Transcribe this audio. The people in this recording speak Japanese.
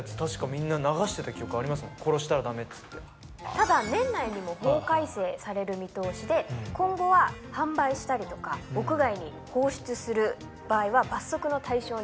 ただ年内にも法改正される見通しで今後は販売したりとか屋外に放出する場合は罰則の対象に。